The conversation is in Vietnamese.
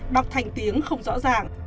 đọc thành tiếng không rõ ràng